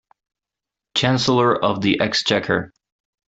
Chancellor of the Exchequer